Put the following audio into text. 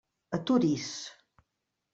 Aturi's!